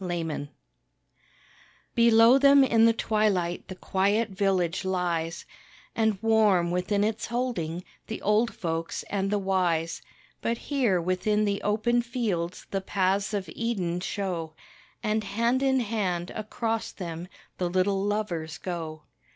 _ TWILIGHT Below them in the twilight the quiet village lies, And warm within its holding, the old folks and the wise, But here within the open fields the paths of Eden show, And, hand in hand, across them the little lovers go.